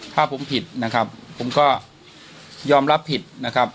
ถ้าผมผิดนะครับผมก็ยอมรับผิดนะครับ